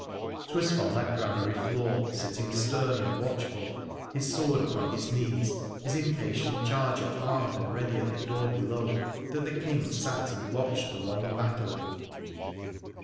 'Twas from that granary floor, sitting stem and watchful, his sword upon his knees, his impatient charger armed and ready at the door below, that the King sat and watched the long battle.